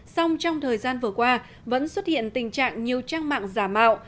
xong trong thời gian vừa qua vẫn xuất hiện tình trạng nhiều trang mạng giả mạo